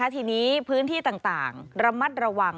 ทีนี้พื้นที่ต่างระมัดระวัง